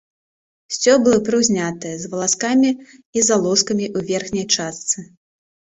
Сцёблы прыўзнятыя, з валаскамі і залозкамі ў верхняй частцы.